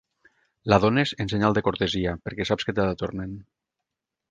La dónes en senyal de cortesia perquè saps que te la tornen.